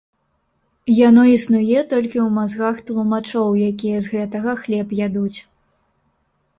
Яно існуе толькі ў мазгах тлумачоў, якія з гэтага, хлеб ядуць.